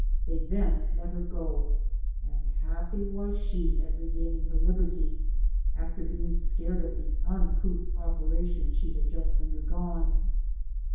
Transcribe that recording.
They then let her go, and happy was she at regaining her liberty, after being scared at the uncouth operation she had just undergone.